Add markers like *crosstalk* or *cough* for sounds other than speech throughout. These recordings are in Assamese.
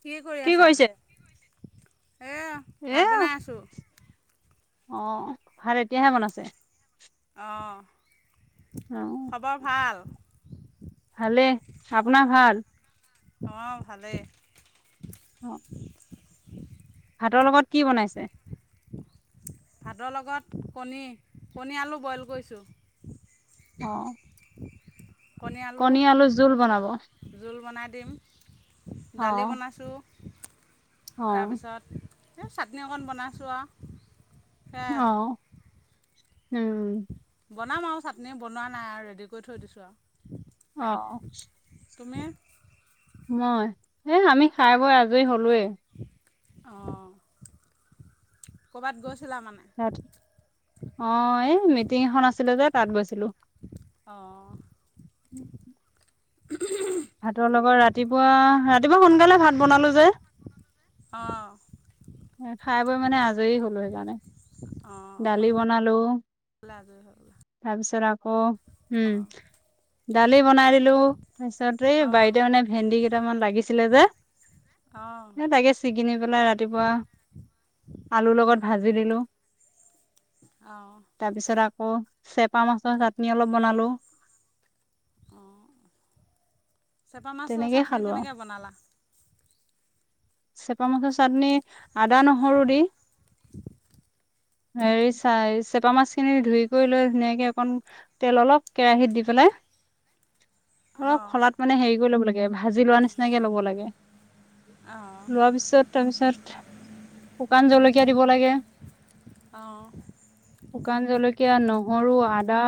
কি কৰি আছা এই ভাত এ বনাই আছোঁ অ' ভাল এতিয়াহে বন আছে অ' খবৰ ভাল ভালে আপোনাৰ ভাল অ ভালে অ ভাতৰ লগত কি বনাইছে ভাতৰ লগত কণী কণী আলু বইল কৰিছোঁ অ কণী আলু জোল বনাব অ জোল বনাই দিম অ দালি বনাইছোঁ *unintelligible* তাৰপিছত এই চাটনি অকণ বনাইছো আৰু সেয়াই অ উম বনাম আৰু চাটনি বনোৱা নাই আৰু ৰেডি কৰি থৈ দিছোঁ আৰু অ তুমি মই এ আমি খাই বৈ আজৰি হলোৱে অ কৰ'বাত গৈছা তাত, অ', এই মিটিং এখন আছিলে যে। তাত গৈছিলোঁ। অ'। ভাতৰ লগত ৰাতিপুৱা ৰাতিপুৱা সোনকালে ভাত বনালোঁ যে। অ'। খাই বৈ মানে আজৰি হ'লো সেইকাৰণে। অঁ দালি সোনকালে বনালো আজৰি হৈ গ'লা তাৰপিছত আ। অ', উম, দালি বনাই দিলোঁ। তাৰপিছত এই অঁ বাৰীতে মানে ভেন্দি কেইটা। কেইটামান লাগিছিলে যে। অঁ এ তাকে ছিগিনি পেলাই ৰাতিপুৱা। আলুৰ লগত অঁ ভাজি দিলোঁ। অঁ তাৰপিছত আ। অ', চেপা মাছৰ চাটনি অলপ বনালোঁ। অঁ চেপা মাছৰ তেনেকেই চাট্‌নি খালো আৰু কেনেকে বনালা? চেপা মাছৰ চাট্‌নি আদা নহৰু দি, হেৰি চ চেপা মাছখিনি ধুই কৰি লৈ ধুনীয়াকে অকণ তেল অলপ কেৰাহীত দি পেলাই। অলপ অঁ খলাত মানে হেৰি। লব লাগে, ভাজি লোৱা নিচিনাকে লব লাগে। অঁ লোৱাৰ পাচত, তাৰ পাছত শুকান জলকীয়া দিব লাগে, অঁ শুকান জলকীয়া, নহৰু, আদা।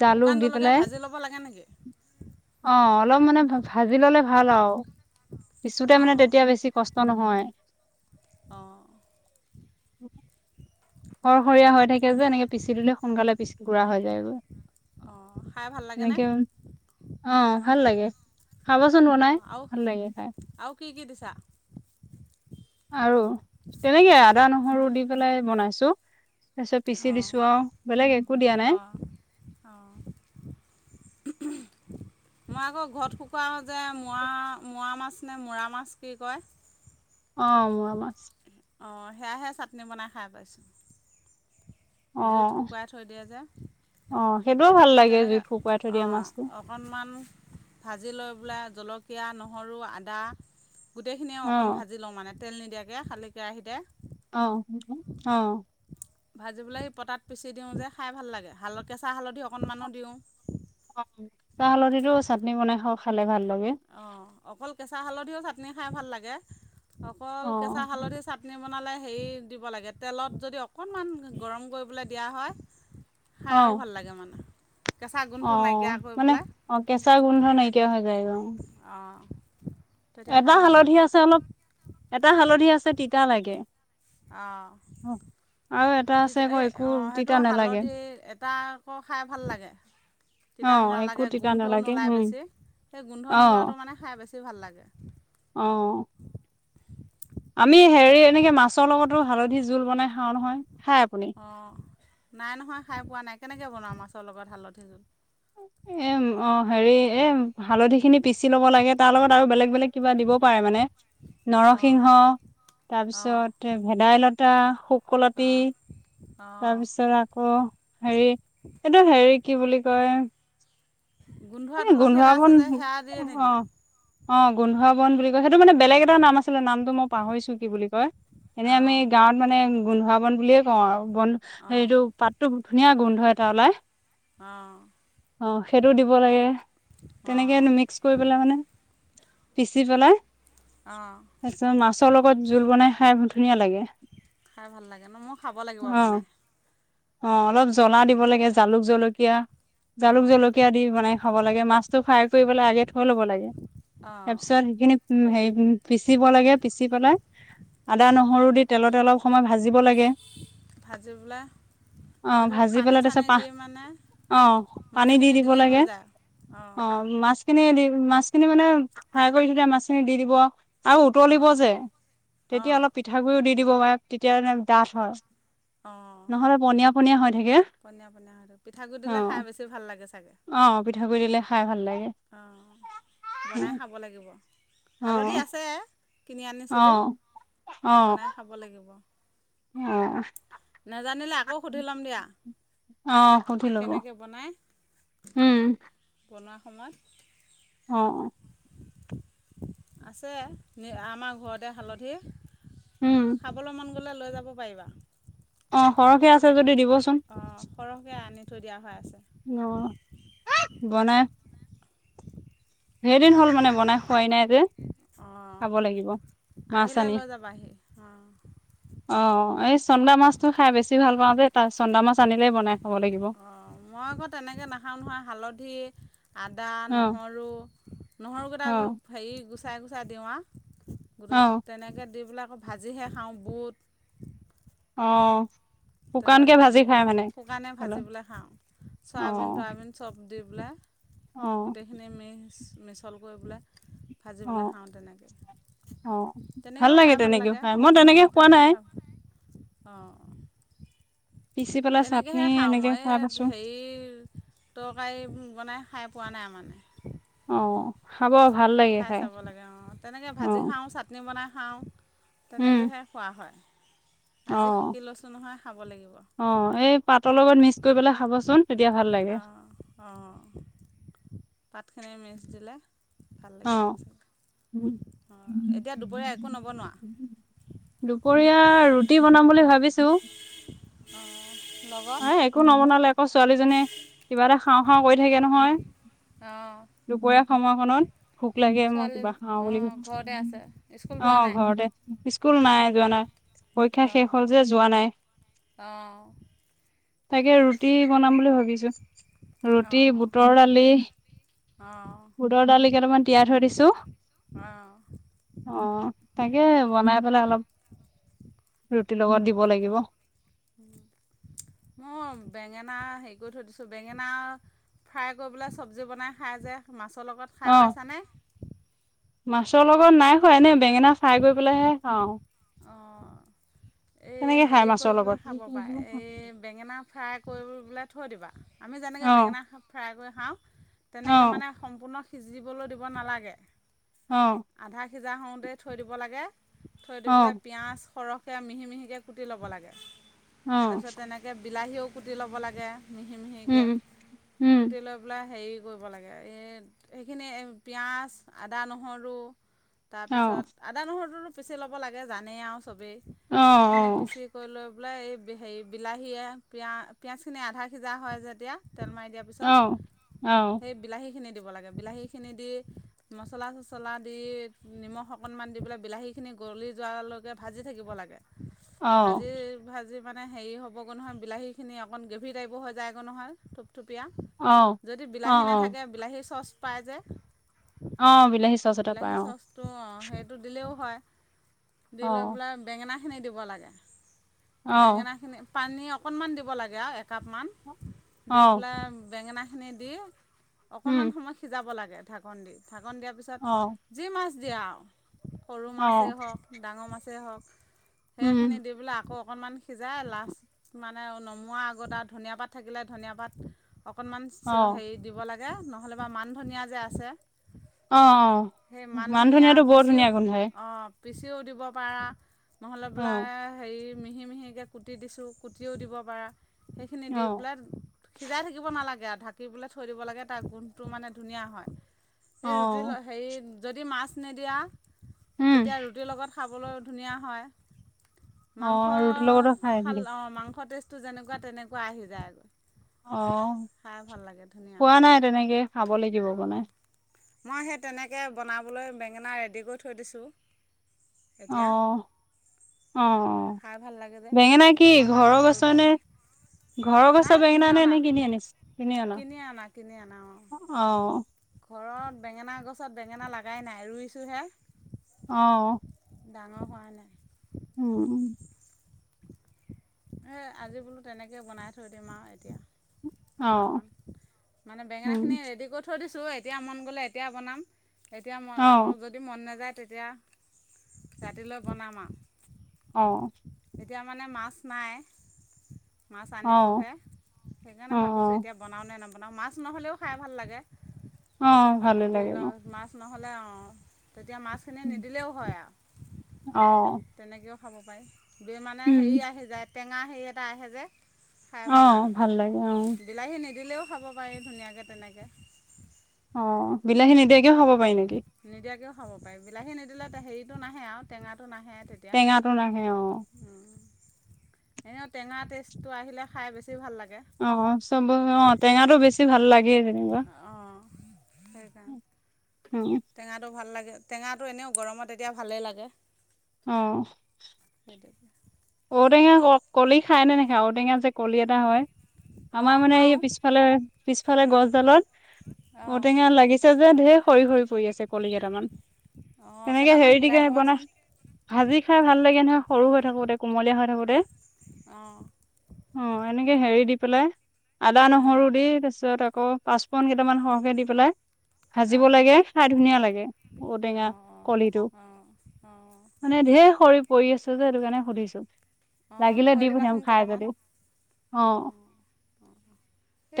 জালুক শুকান দি পেলাই জলকীয়া ভাজি ল'ব লাগে নেকি? অ', অলপ মানে ভাজি ললে ভাল আৰু। পিছোতে মানে অঁ তেতিয়া বেছি কষ্ট। নহয়। অ'। *inaudible* সৰসৰীয়া হৈ থাকে যে, এনেকে পিচি দিলে সোনকালে পিচ গুৰা হৈ যায় গৈ। অ', খাই ভাল লাগেনে? অ', ভাল লাগে। খাবোচোন বনাই, অঁ আৰু ভাল লাগে খাই। আৰু কি কি দিছা? আৰু? তেনেগে। আদা নহৰু দি পেলাই বনাইছোঁ। তাৰ পিছত পিচি অঁ দিছোঁ আৰু বেলেগ একো দিয়া নাই। অঁ অঁ মই আকৌ ঘট কুকুৰা যে মোৱা মোৱা মাছ নে মৰা মাছ কি কয়? অ', মোৱা মাছ। অ' সেয়াহে চাটনি বনাই খাই পাইছোঁ অ জুইত শুকুৱাই থৈ দিয়ে যে অ সেইটোও ভাল সেই লাগে তেনেকৈ জুইত শুকুৱাই থৈ দিয়া অ' মাছটো অকণমান ভাজি লৈ পেলাই জলকীয়া নহৰু আদা গোটেইখিনিয়ে অ অকণ ভাজি লওঁ মানে তেল নিদিয়াকৈ খালী। বিতিয়া আহি দে, অ অ ভাজিবোলে সি পতাত পিচি দিওঁ যে খাই ভাল লাগোল কেঁচা হালধি, সন্মানো দিওঁ অ চাহ হালধিতো চাটনি বনাই খাওঁ খালে ভাল। লাগে অ' অকল কেঁচা হালধিও চাটনি হে ভাল লাগে অকল অ কেঁচা হালধি চাটনি বনালে হেৰি দিব লাগে তেলত যদি অকণমান গৰম কৰিবলৈ দিয়া হয় অ হাইও ভাল লাগে মানে কেঁচা গোন্ধটো নাইকিয়া অ' কৰি মানে পেলাই অ' কেঁচা গোন্ধৰণে এই কিয় হৈ যায়গ অ' অ' এটা হালধি আছে অলপ, এটা হালধি আছে তিতা লাগে। অ' আৰু এটা এই আছে আকৌ একো অ' সেইটো তিতা নালাগে হালধি এটা আকৌ খাই ভাল লাগে অ তিতা একো নালাগে তিতা গোন্ধও নালাগে নোলায় উম বেছি সেই গোন্ধ অ নোলোৱাটো মানে খাই বেছি বেছি ভাল লাগে। অ' আমি হেৰি এনেকে মাছৰ লগতো হালধি জোল বনাই খাওঁ নহয়। খাই আপুনি অ' নাই নহয় খাই পোৱা নাই কেনেকৈ বনাওঁ মাছৰ লগত হালধিযোৰোৰ এম অ' হেৰি এ হালধি খিনি পিচি ল'ব লাগে তাৰ লগত আৰু বেলেগ বেলেগ কিবা দিব পাৰে মানে অঁ নৰসিংহ অঁ তাৰপিছত ভেদাইলতা শুকলতি অঁ অঁ তাৰপিছত আকৌ হেৰি এইটো হেৰি কি বুলি কয়? গোন্ধোৱা এই তুলসী এটা আছে বন যে সেয়া দিয়ে অ নেকি? অ' গোন্ধ বন বুলি কয় সেইটো মানে বেলেগ এটা নাম আছিলে নামটো মই পাহৰিছো কি বুলি কয়? এনেই আমি অঁ গাঁৱত মানে উ গন্ধোৱা বন বুলে কওঁ আৰু বন অঁ হেটো পাতটো ধুনীয়া গোন্ধ এটা ওলাই। অঁ অ', সেইটো দি *unintelligible* তেনেকে অঁ মিক্স কৰি‌ পেলাই মানে পিচি পেলাই অঁ মাছৰ লগত জোল বনাই খাই ধুনীয়া লাগে খাই ভাল লাগে ন' মই খাব লাগিব অ বনাই। অ', অলপ জ্বলা দিব কেনেকৈ লাগে, খায় জালুক, জলকীয়া জালুক, অঁ জলকীয়া দি বনাই খাব লাগে, মাছটো ফ্ৰাই কৰিবলৈ আগে থৈ ল'ব লাগে, তাৰ অঁ পিছত সেইখিনি উম, হেৰি উম, পিছিব লাগে পিচি পেলাই আদা, নহৰু দি তেলত *unintelligible* সময় ভাজিব লাগে, ভাজি পেলাই অ', তাৰপিছত ভাজি পানী পেলাই তাৰপিছত চানী পাহ দি মানে অ', পানী দি দিব লাগে। *unintelligible* অ'। খিনি দি মাছখিনি মানে ফ্ৰাই কৰি থৈ দিয়া মাছখিনি দি দিব আ আৰু উতলিব অঁ যে, তেতিয়া অঁ অলপ পিঠাগুৰিয়ো দি দিব পাৰে তেতিয়া মানে ডাঠ হয়। অ', নহ'লে পনীয়া পনীয়া হৈ থাকে পনীয়া, পনীয়া হয়‌ *unintelligible* পিঠাগুৰি অ দিলে খাই বেছি ভাল লাগে চাগে। অ' পিঠাগুড় দিলে খাই ভাল লাগে অ' বনাই খাব লাগিব অ অ হালধি আছে। কিনি অ', আনিছিলোঁ অ', বনাই খাব লাগিব। অ' নেজানিলে আকৌ সুধি ল'ম দিয়া অ' সুধি লবো কেনেকৈ বনায় বনোৱা সময়ত অ', আছে আমাৰ ঘৰতে হালধি উম, খাবলৈ মন গ'লে লৈ যাব পাৰিবা অ' সৰহকে আছে যদি দিব অঁ সৰহকৈ আনি থৈ দিয়া হৈ আছে বনায় সেইদিন হ'ল মানে বনাই খোৱাই নাই যে অঁ খাব লাগিব মাছ আহিলে আনি লৈ যাবাহি অঁ অ' এই চন্দা মাছটো খাই বেছি ভাল পাওঁ যে তাৰ চন্দা মাছ চানিলে বনাই খাব লাগিব অ' মই আকৌ তেনেকে নাখাওঁ নহয় হালধি আদা, অ', নহৰু নহৰুকেইটা আকৌ অ', হেৰি গ চাই গোচাই দিওৱা। অ', *unintelligible* আকৌ ভাজিহে খাওঁ বুত - আহ। তেলত ভাজিবলৈ শুকানে হেল্ল', ভাজিবলৈ খাওঁ চয়াবিন অ', তৰাবিন চব দি পেলে - অ', গোটেইখিনি মেছ- মিছল কৰি পেলে - ভাজি পেলাই অ', খাওঁ তেনেকৈ অ', তেনেকৈও খাই ভাল তেনেকে লাগে খাই মই অঁ তেনেকে খোৱা তেনেকৈ নাই খা অঁ- পিচি পেলাই চাটনি তেনেকেহে খাওঁ এনেকে মই খাই পাইছো হেৰি তৰকাৰী বনাই খাই- খাই পোৱা নাই মানে। অ' হব। খাই চাব লাগে অ', তেনেকে ভাজি খাওঁ, চাটনি বনাই খাওঁ উম তেনেকেহে খোৱা হয় আজি অ', শিকি লৈছোঁ নহয় খাব লাগিব অ', এই পাতৰ লগত মিক্স কৰি পেলাই খাবচোন। তেতিয়া ভাল লাগে অ', অ', পাত নিৰামিষ দিলে ভাল লাগিব অঁ অ', এতিয়া দুপৰীয়া একো নবনোৱা দুপৰীয়া ৰুটি বনাম বুলি ভাবিছোঁ। অ', অঁ লগত এই একো নবনালে আকৌ ছোৱালীজনীয়ে, কিবা এটা খাওঁ-খাওঁ কৰি থাকে নহয়। অ'। দুপৰীয়া সময়কণত ভোক লাগে, মই কিবা খাওঁ বুলি অঁ কয় ঘৰতে আছে স্কুল যোৱা অ', নাই ঘৰতে, স্কুল নাই যোৱা নাই। পৰীক্ষা শেষ হ'ল যে, যোৱা নাই। অ'। তাকে, ৰুটি বনাম বুলি ভাবিছোঁ। ৰুটি, অঁ বুটৰ দালি অঁ বুটৰ দালি কেইটামান তিয়াই থৈ দিছোঁ। অঁ অ', তাকে বনাই পেলাই অলপ ৰুটিৰ লগত অঁ দিব লাগিব। *unintelligible* ভাতৰ লগত অ খাই পাইছানে। মাছৰ লগত নাই খোৱা এনে বেঙেনা ফাই কৰি পেলাইহে খাওঁ অ, এই তেনেকে খাই হেৰি মাছৰ কৰিবলৈ লগত। খাব পাৰে এই বেঙেনা ফ্ৰাই। কৰি পেলাই থৈ দিবা আমি যেনেকৈ অ বেঙেনা ফ্ৰাই কৰি হাহ। অ তেনেকে মানে সম্পূৰ্ণ সিজিবলৈ দিব নালাগে অ আধা সিজা হওঁতেই থৈ দিব লাগে থৈ দি অ পেলাই পিাঁয়াজ সৰহকৈ মিহি মিহিকে কুটি ল'ব লাগে অ তাৰপিছত তেনেকে বিলাহীও কুটি ল'ব লাগে মিহি মিহিকৈ উম উম কুটি লৈ পেলাই হেৰি কৰিব লাগে এই সেইখিনি পিঁয়াজ আদা নহৰু অ তাৰপিছত আদা নহৰুটো পিচি ল'ব লাগে। জানে আৰু চবেই অ সেইখিনি পিচি কৰি লোৱা বোলে এই হেৰি বিলাহীয়ে পি পিয়াজখিনি আধা সিজা হয় যেতিয়া। তেল মাৰি দিয়াৰ অ অ পিছত অ সেই বিলাহীখিনি ম ম ম ম হয় যোৱালৈকে ভাজি থাকিব লাগে। অ ভাজি - ভাজি মানে হেৰি হ'বগৈ নহয় বিলাহীখিনি অকণ গ্ৰেভি টাইপৰ হৈ যায়গৈ নহয়। থুপীয়া অ যদি অ বিলাহী অ নাথাকে বিলাহীৰ চচ পাই যে অ বিলাহী চচতে বিলাহী পায় অ চচটো অঁ সেইটো দিলেও হয়। দি অ লৈ পেলাই বেঙেনা খিনি দিব লাগে। অ বেঙেনা খিনি পানী অকণমান দিব লাগে আৰু একাপমান অ দি পেলাই বেঙেনা খিনি দি উম অকনমান সময় সিজাব লাগ *unintelligible* ঢাকন দি ঢাকন দিয়াৰ পিছত অ যি মাছ *unintelligible* সৰু অ মাছেই হওঁক ঙৰ আছে হওঁক। উম সেইখিনি দি পেলাই আকৌ অকণমান সিজাই লাষ্ট মানে নমোৱাৰ আগত আৰু ধনিয়া পাত থাকিলে ধনিয়া পাত অকণমান অ হেৰি দিব লাগ যে, নহ'লে বা মান ধনিয়া যে, আছে। অ', মান ধনিয়াটো বৰ ধুনীয়া গোন্ধাই। পিচিয়ো দিব পাৰা। নহ'লে অ ব'লে হেৰি মিহি, মিহিকে কুটি দিছোঁ, কুটিও দিব পাৰা। সেইখিনি দি অ পেলাই সিজাই থাকিব নালাগে আ ঢাকি পেলাই থৈ দিব লাগে তাৰ গোন্ধটো মানে ধুনীয়া হয়। এই অ ৰুটি হেৰি যদি মাছ নিদিয়া উম তেতিয়া ৰুট ৰুটি লগত খাবলৈ ধুনীয়া হয় অ মাংস ৰুটিৰ লগতো খাই বুলি খালে অ মাংস টেষ্ট টো যেনেকুৱা তেনেকুৱা আহি যায় অ ধুনীয়া খোৱা নাই তেনেকে খাব লাগিব অঁ বনাই মই সেই তেনেকে বনাবলৈ বেঙেনা ৰেডি কৰি থৈ দিছোঁ এতিয়া অহ অহ খাই ভাল লাগে যে বেঙেনা কি আমাৰ ঘৰৰ ল'ৰাটোৱে ভাল গছৰ পায় নে খাই ঘৰৰ নাই গছৰ কিনি বেঙেনা অনা নে কিনি আনিছ কিনি অনা কিনি অনা অঁ অ ঘৰত বেঙেনা গছত বেঙেনা লাগাই নাই ৰুইছোঁহে অ ডাঙৰ হোৱা নাই উম এ আজি বোলো তেনেকে বনাই থৈ দিম আৰু এতিয়া অ অকণমান মানে উম বেঙেনাখিনি ৰেডি কৰি থৈ দিছো চ এতিয়া মন গ'লে এতিয়া বনাম এতিয়া ম অ আকৌ যদি মন নাযায় তেতিয়া ৰাতিলৈ বনাম আও অহ এতিয়া মানে মাছ নাই মাছ অ আনিবহে অ সেইকাৰণে অ ভাবিছোঁ এতিয়া বনাওঁ নে নব আপোনাৰ মাছ নহ'লেও খাই ভাল লাগে অ ভালে ৰুটি লাগে ন মাছ নহ'লে অ তেতিয়া মাছখিনি নিদিলেও হয় আৰু অ তেনেকেও খাব পায় বি মানে উম হেৰি আহি টেঙা হেৰি এটা আহে যে খাই ভাল লাগে বিলাহী নি দিলেও খাব পাৰি ধুনীয়াকে তেনেকে অহ বিলাহী নিদিয়াকেও খাব পাৰি নিকি *inaudible* তে হেৰিটো নাহে আৰু টেঙাটো নাহে তেতিয়া টেঙাটো নাহে অ এনেও টেঙা টেষ্ট টো আহিলে খাই বেছি ভাল লাগে অ', চব অ', টেঙাটো বেছি ভাল লাগে যেনিবা। অঁ সেইকাৰণে *unintelligible* টেঙাটো ভাল লাগে টেঙাটো এনেও গৰমত এতিয়া ভালেই লাগে। অ'। সেইটোকে ঔটেঙা ক-কলি খাই নে, নেখাই? ঔটেঙা যে কলি এটা হয়, আমাৰ অঁ মানে এই খাওঁ পিছফালে, পিছফালে গছডালত অঁ ঔটেঙা লাগিছে যে, ঢেৰ সৰি, সৰি পৰি আছে কলি কেটামান অঁ তেনেকে কেইটামান হেৰি দি গোটাই বনাই, থ'বাচোন ভাজি খাই ভাল লাগে নহয়, সৰু হৈ থাকোতে। কুমলীয়া হৈ থাকোঁতে অঁ অ', এনেকে হেৰি দি পেলাই আদা, উম, নহৰু দি তাৰ পিছত আকৌ পাঁচপূৰণ কেইটামান সৰহকে দি পেলাই ভাজিব অ', লাগে খাই ধুনীয়া লাগে অ', ঔটেঙা অ', কলিটো, অ', অ', মানে ঢেৰ সৰি পৰি আছে যে সেইটো কাৰণে সুধিছ *unintelligible* অ', থৈ দিবাচোন কেইটামান। যদি। অ', অ',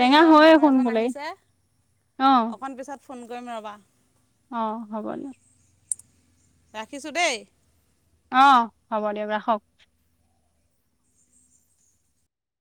এই ঘৰত হয়ে মানুহ এজন সোনকালে আহিছে অ'। অকণ পিছত ফোন কৰিম ৰবা। অ', হ'ব দিয়। ৰাখিছো দেই। অ', হ'ব দিয়ক, ৰাখক।